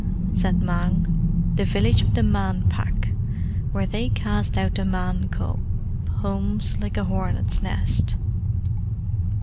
Said Mang, "The village of the Man Pack, where they cast out the Man cub, hums like a hornet's nest."